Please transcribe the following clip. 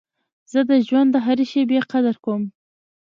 زه د ژوند د هري شېبې قدر کوم.